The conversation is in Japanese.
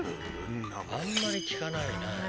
あんまり聞かないね。